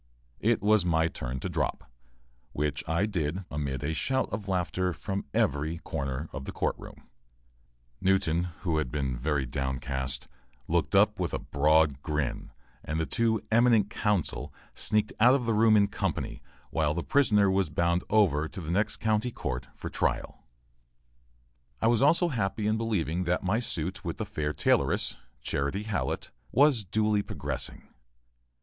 It was my turn to drop, which I did amid a shout of laughter from every corner of the court room. Newton, who had been very downcast, looked up with a broad grin and the two "eminent counsel" sneaked out of the room in company, while the prisoner was bound over to the next County Court for trial. While my business in Bethel continued to increase beyond my expectations, I was also happy in believing that my suit with the fair tailoress, Charity Hallett, was duly progressing.